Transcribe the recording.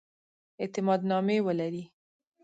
اعتماد نامې ولري.